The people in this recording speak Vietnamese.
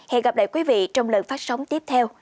hẹn gặp lại quý vị trong lần phát sóng tiếp theo